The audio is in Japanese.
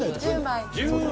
１０枚。